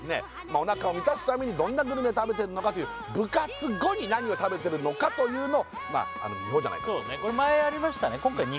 お腹を満たすためにどんなグルメ食べてるのかという部活後に何を食べてるのかというのを見ようじゃないかということです